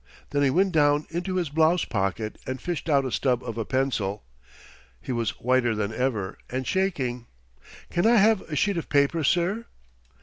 Then he went down into his blouse pocket and fished out a stub of a pencil. He was whiter than ever, and shaking. "Can I have a sheet of paper, sir?"